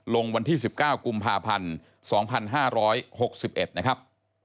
ลงวันที่๑๙กุมภาพันธ์๒๕๖๑นะครับ